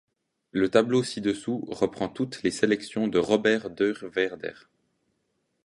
Le tableau ci-dessous reprend toutes les sélections de Robert Deurwaerder.